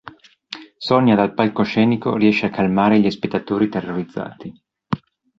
Sonya, dal palcoscenico, riesce a calmare gli spettatori terrorizzati.